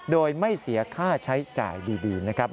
โดยไม่เสียค่าใช้จ่ายดีนะครับ